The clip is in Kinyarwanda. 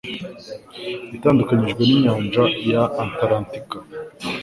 itandukanijwe n'inyanja ya Atalantika